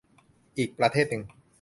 อีกประเทศหนึ่ง